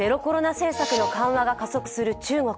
政策の緩和が加速する中国。